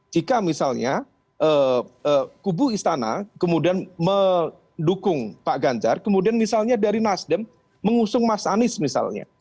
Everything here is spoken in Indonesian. jika misalnya kubu istana kemudian mendukung pak ganjar kemudian misalnya dari nasdem mengusung mas anies misalnya